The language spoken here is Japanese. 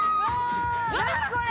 何これ！